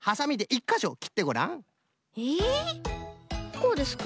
こうですか？